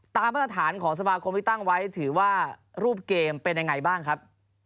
มาตรฐานของสมาคมที่ตั้งไว้ถือว่ารูปเกมเป็นยังไงบ้างครับ